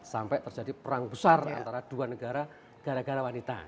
jadi itu menjadi perang besar antara dua negara gara gara wanita